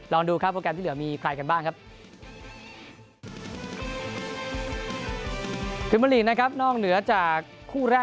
ลองดูครับโปรแกรมที่เหลือมีใครกันบ้างครับ